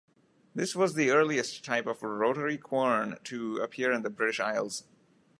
This was the earliest type of rotary quern to appear in the British Isles.